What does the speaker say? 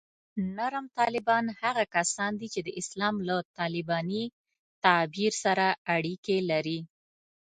نرم طالبان هغه کسان دي چې د اسلام له طالباني تعبیر سره اړیکې لري